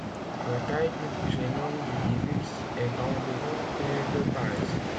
La taille du génome du virus est d'environ paires de base.